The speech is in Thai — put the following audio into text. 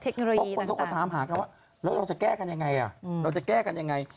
เขาก็ถามหากันว่าเราจะแก้กันอย่างไร